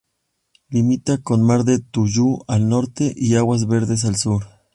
Limita con Mar del Tuyú al norte y Aguas Verdes al sur.